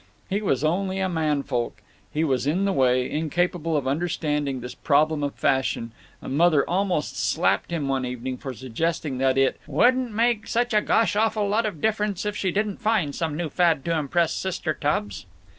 He was only a man folk, he was in the way, incapable of understanding this problem of fashion, and Mother almost slapped him one evening for suggesting that it "wouldn't make such a gosh awful lot of difference if she didn't find some new fad to impress Sister Tubbs."